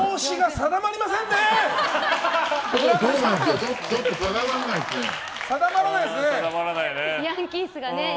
定まらないですね。